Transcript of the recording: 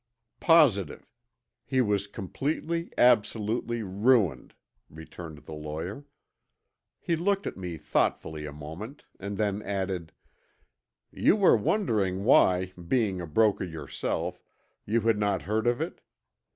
"Positive. He was completely, absolutely ruined," returned the lawyer. He looked at me thoughtfully a moment and then added, "You were wondering why, being a broker yourself, you had not heard of it?